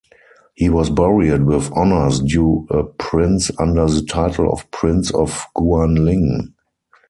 He was buried with honors due a prince-under the title of Prince of Guanling.